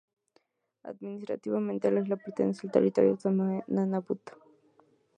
Administrativamente, la isla pertenece al territorio autónomo de Nunavut.